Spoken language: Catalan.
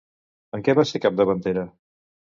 En què va ser capdavantera?